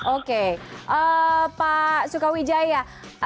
oke pak sukawijaya